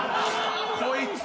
こいつ！